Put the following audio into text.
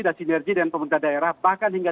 dan sinergi dengan pemerintah daerah bahkan hingga